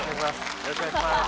よろしくお願いします。